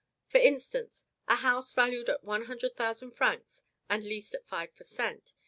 For instance; a house valued at one hundred thousand francs, and leased at five per cent.